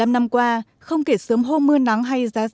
bảy mươi năm năm qua không kể sớm hôm mưa nắng hay giá rét